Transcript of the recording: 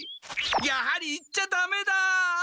やはり行っちゃダメだ！